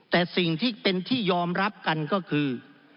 แต่สิ่งที่เป็นที่ยอมรับกันก็คือ